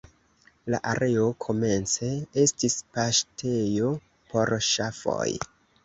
La areo komence estis paŝtejo por ŝafoj.